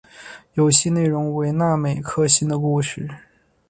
游戏内容为那美克星的故事。